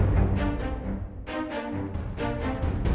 jangan lupa dukung avo